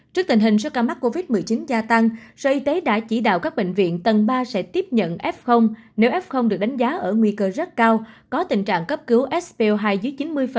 trước tình hình số ca mắc covid một mươi chín gia tăng sở y tế đã chỉ đạo các bệnh viện tầng ba sẽ tiếp nhận f nếu f được đánh giá ở nguy cơ rất cao có tình trạng cấp cứu sp hai dưới chín mươi